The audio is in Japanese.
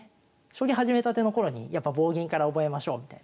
将棋始めたての頃にやっぱ棒銀から覚えましょうみたいなね